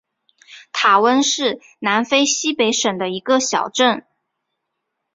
塔翁是南非西北省的一个小镇。